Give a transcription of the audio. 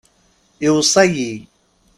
Iweṣṣa-yi.